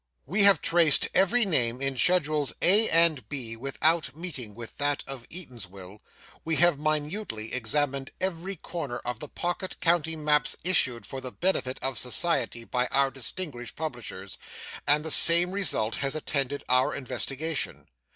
We have traced every name in schedules A and B, without meeting with that of Eatanswill; we have minutely examined every corner of the pocket county maps issued for the benefit of society by our distinguished publishers, and the same result has attended our investigation.